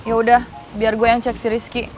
yaudah biar gue yang cek si rizky